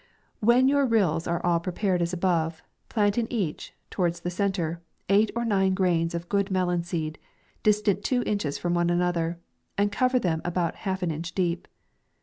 14 When you rhills are all prepared as above, plant in each, towards the centre, eight or nine grains of good melon seed, distant twa inches from one another, and cover them a* bout half an inch deep.